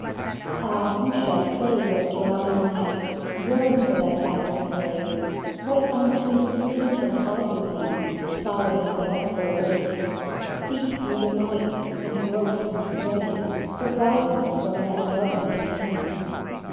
Ah, who shall say what drowning eyes Yearn for that absent ray ; What unseen fleets and argosies, Ploughing a doubtful way, Seek through the night, and grope and strain For guidance from that darkened pane